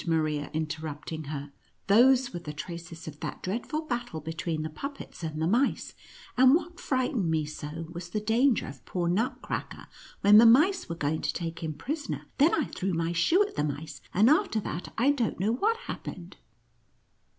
Maria, interrupting her, "those were the traces of that dreadful battle between the puppets and the mice, and what frightened me so was the danger of poor Nutcracker, when the mice were going to take him prisoner. Then I threw my shoe at the mice, and after that I don't know what happened."